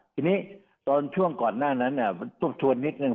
ทีนี้ตอนช่วงก่อนหน้านั้นมันทบทวนนิดนึง